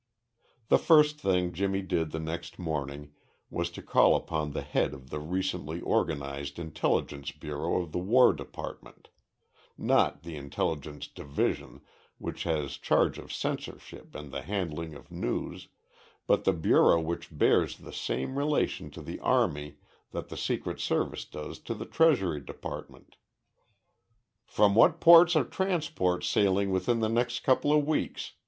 The first thing Jimmy did the next morning was to call upon the head of the recently organized Intelligence Bureau of the War Department not the Intelligence Division which has charge of censorship and the handling of news, but the bureau which bears the same relation to the army that the Secret Service does to the Treasury Department. "From what ports are transports sailing within the next couple of weeks?"